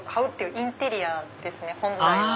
インテリアですね本来は。